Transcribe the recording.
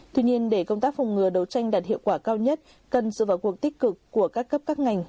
tuy nhiên để công tác phòng ngừa đấu tranh đạt hiệu quả cao nhất cần sự vào cuộc tích cực của các cấp các ngành